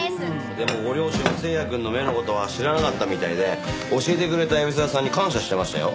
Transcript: でもご両親も星也くんの目の事は知らなかったみたいで教えてくれた海老沢さんに感謝してましたよ。